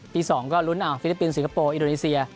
๒ก็ลุ้นฟิลิปปินสสิงคโปร์อินโดนีเซีย